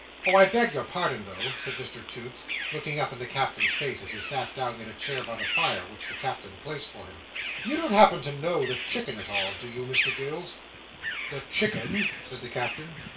"Oh! I beg your pardon though," said Mr Toots, looking up in the Captain's face as he sat down in a chair by the fire, which the Captain placed for him; "you don't happen to know the Chicken at all; do you, Mr Gills?" "The Chicken?" said the Captain.